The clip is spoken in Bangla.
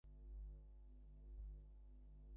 পথের ধারে কি আর গাছ ছিল না।